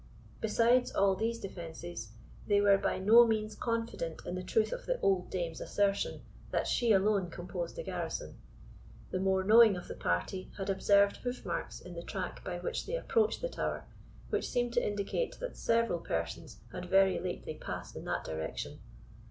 Besides all these defences, they were by no means confident in the truth of the old dame's assertion, that she alone composed the garrison. The more knowing of the party had observed hoof marks in the track by which they approached the tower, which seemed to indicate that several persons had very lately passed in that direction.